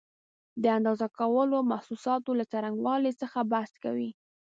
د اندازه کولو وړ محسوساتو له څرنګوالي څخه بحث کوي.